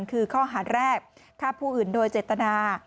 คือข้อหาแรกฆ่าผู้อื่นโดยเจตนา